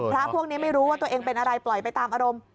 พระพวกนี้ไม่รู้ว่าตัวเองเป็นอะไรปล่อยไปตามอารมณ์